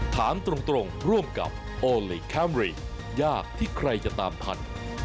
ถามตรงร่วมกับโอลี่คัมรี่ยากที่ใครจะตามทัน